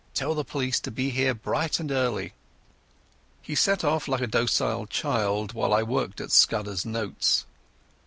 Tell the police to be here bright and early." He set off like a docile child, while I worked at Scudder's notes.